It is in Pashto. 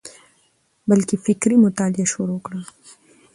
بلکي فکري مطالعه شروع کړه،